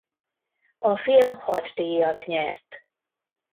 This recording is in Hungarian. A film hat díjat nyert.